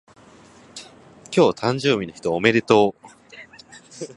今日誕生日の人おめでとう